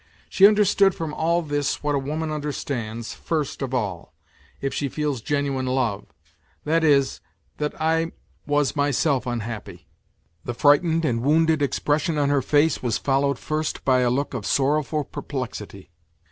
She understood from all this what a woman understands first of all, if she feels genuine love, that is, that I was myself unhappy. The frightened and wounded expression on her face was followed first by a look of sorrowful perplexity.